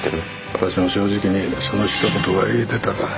私も正直にそのひと言が言えてたら。